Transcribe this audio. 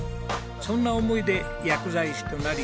そんな思いで薬剤師となり４２年。